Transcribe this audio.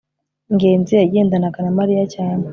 ngenzi yagendanaga na mariya cyane